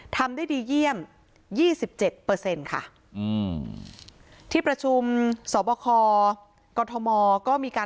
ทำได้ดีเยี่ยม๒๗ค่ะ